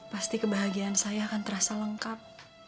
pasti kebahagiaan saya akan terasa lengkap